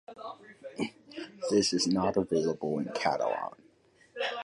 That is not available in Catalan.